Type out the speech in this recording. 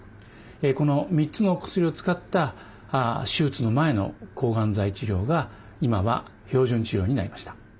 この３つのお薬を使った手術の前の抗がん剤治療が今は標準治療になりました。